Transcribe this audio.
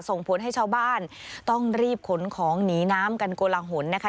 ส่งผลให้ชาวบ้านต้องรีบขนของหนีน้ำกันโกลหนนะคะ